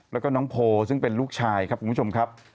แล้วก็น้องโพซึ่งเป็นลูกชายครับคุณผู้ชมครับ